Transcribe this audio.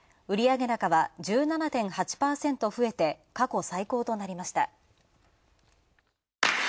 売上高は１７．８％増えて、過去最高となりました。